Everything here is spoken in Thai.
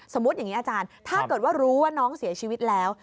อย่างนี้อาจารย์ถ้าเกิดว่ารู้ว่าน้องเสียชีวิตแล้ว